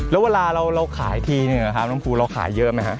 แล้วเวลาเราขายทีหนึ่งนะครับน้องภูเราขายเยอะไหมฮะ